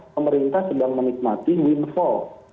pemerintah sedang menikmati windfall